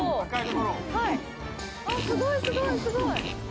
はいすごいすごいすごい。